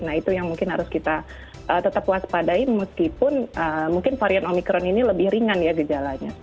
nah itu yang mungkin harus kita tetap waspadai meskipun mungkin varian omikron ini lebih ringan ya gejalanya